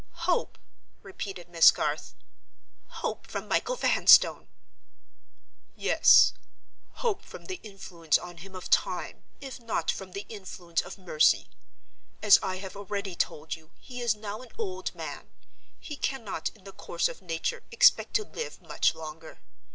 "Hope?" repeated Miss Garth. "Hope from Michael Vanstone!" "Yes; hope from the influence on him of time, if not from the influence of mercy. As I have already told you, he is now an old man; he cannot, in the course of nature, expect to live much longer.